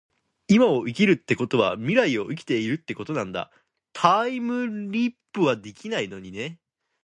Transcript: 今を生きるってことは未来を生きているってことなんだ。タァイムリィプはできないのにね